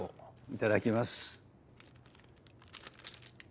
いただきます。